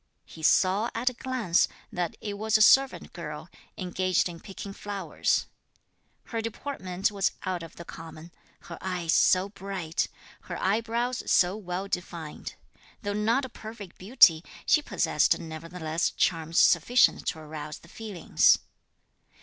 He saw at a glance that it was a servant girl engaged in picking flowers. Her deportment was out of the common; her eyes so bright, her eyebrows so well defined. Though not a perfect beauty, she possessed nevertheless charms sufficient to arouse the feelings.